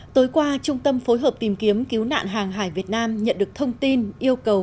tối qua trung tâm phối hợp tìm kiếm cứu nạn hàng hải việt nam nhận được thông tin yêu cầu